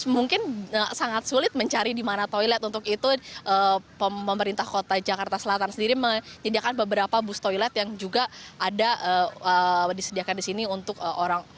mungkin sangat sulit mencari di mana toilet untuk itu pemerintah kota jakarta selatan sendiri menyediakan beberapa bus toilet yang juga ada disediakan di sini untuk orang